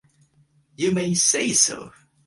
You may say so!